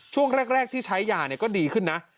ช่วงแรกที่ใช้ยาก็ดีขึ้นนะ